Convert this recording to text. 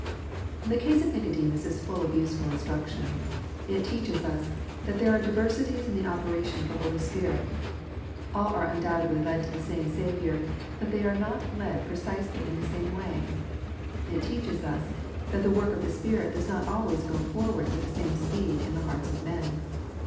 The case of Nicodemus is full of useful instruction. It teaches us, that there are diversities in the operation of the Holy Spirit. All are undoubtedly led to the same Saviour, but all are not led precisely in the same way. It teaches us, that the work of the Spirit does not always go forward with the same speed in the hearts of men.